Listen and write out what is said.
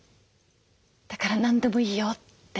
だから何でもいいよって。